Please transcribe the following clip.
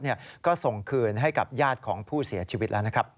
และก็ส่งขืนให้ให้กับญาติของผู้เสียชีวิต